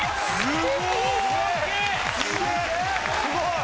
すごい！